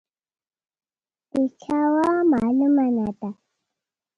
د چا وه، معلومه نه ده.